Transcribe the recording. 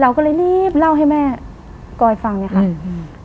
เราก็เลยรีบเล่าให้แม่กอยฟังเลยค่ะอืม